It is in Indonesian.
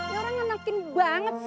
ini orang ngenakin banget sih